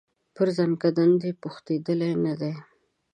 پر زکندن دي پوښتېدلی نه دی